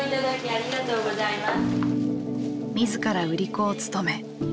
ありがとうございます。